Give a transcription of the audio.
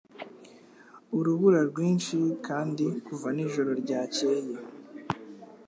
Urubura rwinshi kandi kuva nijoro ryakeye